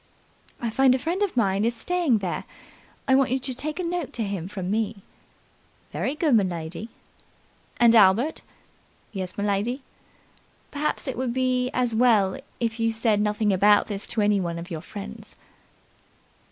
"I find a friend of mine is staying there. I want you to take a note to him from me." "Very good, m'lady." "And, Albert " "Yes, m'lady?" "Perhaps it would be as well if you said nothing about this to any of your friends."